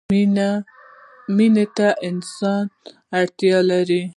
مینې ته انسان اړتیا لري.